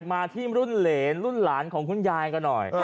มาที่รุ่นเหรนรุ่นหลานของคุณยายกันหน่อย